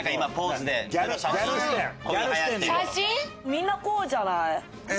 みんなこうじゃない？